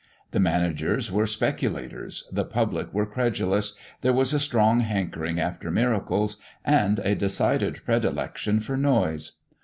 The managers were speculators; the public were credulous; there was a strong hankering after miracles, and a decided predilection for noise.